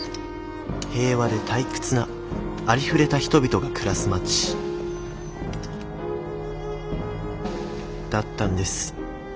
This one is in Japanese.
平和で退屈なありふれた人々が暮らす町だったんです。